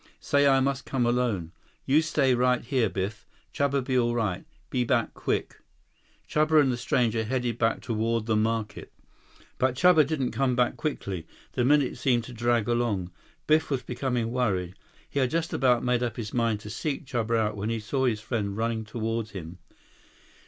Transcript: Say I must come alone. You stay right here, Biff. Chuba be all right. Be back quick." Chuba and the stranger headed back toward the market. But Chuba didn't come back quickly. The minutes seemed to drag along. Biff was becoming worried. He had just about made up his mind to seek Chuba out when he saw his friend running toward him.